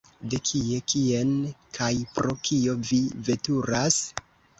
De kie, kien kaj pro kio vi veturas?